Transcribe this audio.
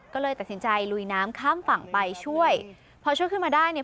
ก็เลยตัดสินใจลุยน้ำข้ามฝั่งไปช่วยพอช่วยขึ้นมาได้เนี่ย